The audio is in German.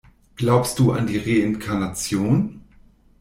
Glaubst du an die Reinkarnation?